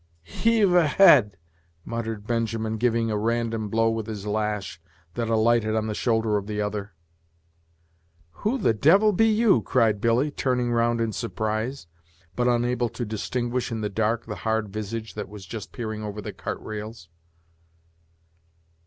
"Heave ahead," muttered Benjamin, giving a random blow with his lash, that alighted on the shoulder of the other. "Who the devil be you?" cried Billy, turning round in surprise, but unable to distinguish, in the dark, the hard visage that was just peering over the cart rails.